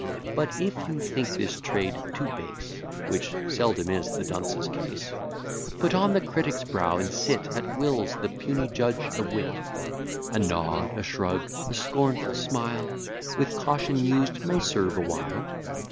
But, if you think this trade too base, (Which seldom is the dunce's case) Put on the critic's brow, and sit At Will's, the puny judge of wit. A nod, a shrug, a scornful smile, With caution used, may serve a while.